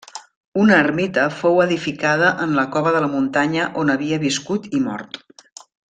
Una ermita fou edificada en la cova de la muntanya on havia viscut i mort.